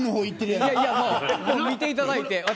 いやいやもう見ていただいて。